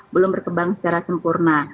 belum berkembang secara sempurna